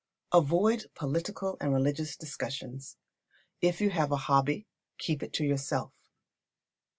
Avoid political and religious discussions. If you have a hobby, keep it to yourself.